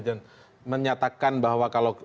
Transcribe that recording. dan menyatakan bahwa kalau